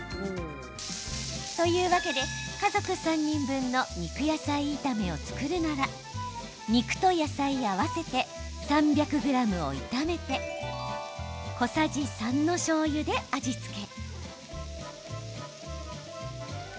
というわけで家族３人分の肉野菜炒めを作るなら肉と野菜合わせて３００ｇを炒めて小さじ３のしょうゆで味付け。